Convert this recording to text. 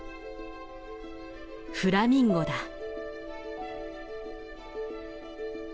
フラミンゴだ。